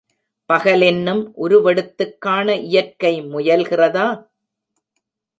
பகலென்னும் உருவெடுத்துக் காண இயற்கை முயல்கிறதா?